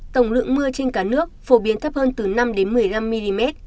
tổng lượng mưa trên cả nước phổ biến thấp hơn từ năm đến một mươi năm mm